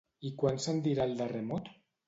I quan se'n dirà el darrer mot?